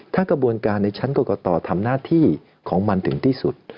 ถ้ากระบวนการในชั้นกรกตทำหน้าที่ของมันถึงที่สุด